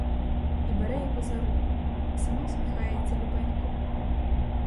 І бере його за руку, сама всміхається любенько.